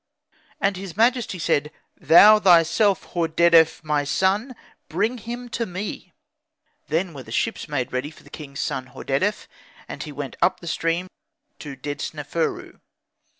And his majesty said, "Thou, thyself, Hordedef, my son, bring him to me." Then were the ships made ready for the king's son Hordedef, and he went up the stream to Dedsneferu.